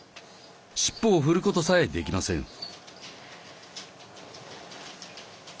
尻尾を振ることさえできません。